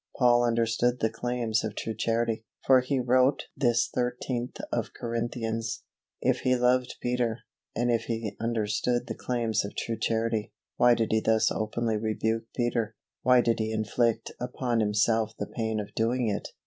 Paul understood the claims of true Charity, for he wrote this thirteenth of Corinthians. If he loved Peter, and if he understood the claims of true Charity, why did he thus openly rebuke Peter, why did he inflict upon himself the pain of doing it?